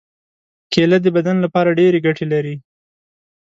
کېله د بدن لپاره ډېرې ګټې لري.